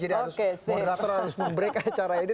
jadi moderator harus mem break acara ini